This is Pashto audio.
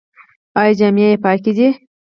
ایا جامې یې پاکې دي؟